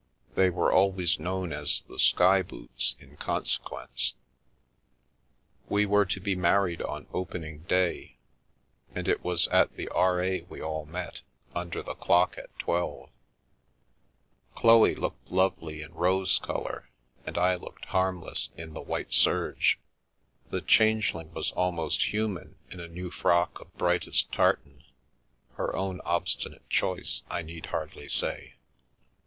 They were always known as the " sky boots," in consequence. We were to be married cm Opening Day, and it was at the R.A. we all met —" under the clock at twelve/* Chloe looked lovely in rose colour, and I looked harm less in the white serge; the Changeling was almost hu man in a new frock of brightest tartan — her own obstinate choice, I need hardly say.